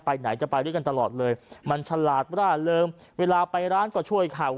ไหนจะไปด้วยกันตลอดเลยมันฉลาดร่าเริงเวลาไปร้านก็ช่วยเขา